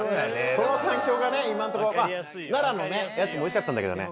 その３強が今のところまぁ奈良のやつもおいしかったんだけどね